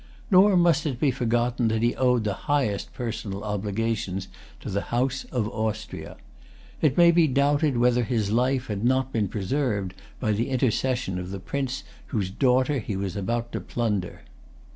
Nor must it be forgotten that he owed the highest personal obligations to the House of Austria. It may be doubted whether his life had not been preserved by the intercession of the prince whose daughter he was about to plunder.